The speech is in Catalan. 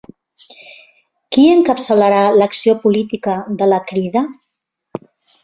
Qui encapçalarà l'acció política de la Crida?